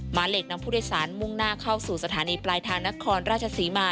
เหล็กนำผู้โดยสารมุ่งหน้าเข้าสู่สถานีปลายทางนครราชศรีมา